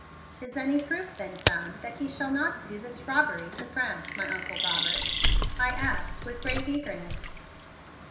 "Is any proof been found that he shall not do this robbery to France, my Uncle Robert?" I asked with great eagerness.